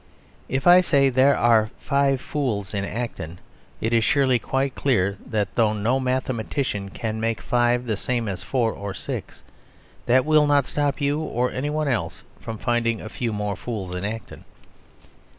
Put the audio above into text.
If I say, "There are five fools in Acton," it is surely quite clear that, though no mathematician can make five the same as four or six, that will not stop you or anyone else from finding a few more fools in Acton.